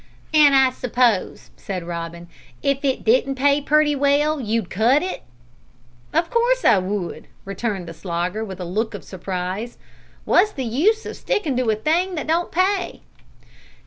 "An' I suppose," said Robin, "if it didn't pay pretty well you'd cut it?" "Of course I would," returned the Slogger, with a look of surprise; "wot's the use o' stickin' to a thing that don't pay?"